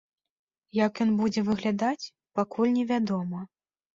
Як ён будзе выглядаць, пакуль невядома.